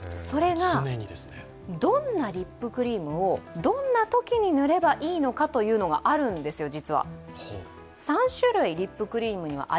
それがどんなリップクリームをどんなときに塗ればいいのかというのがあるんです。